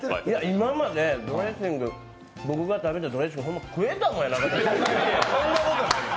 今までドレッシング、僕が食べたドレッシング食えたもんじゃなかった。